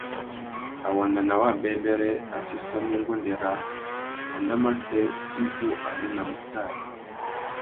A wanda nà wabêbêrê, a séssamú nguêndê râā : wanda matê i wô arénamú tari ?